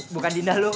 bukan dinda lo kok